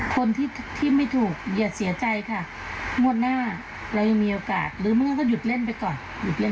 พี่ไฮบอกว่าชีวิตยังมีงวดหน้าเสมอ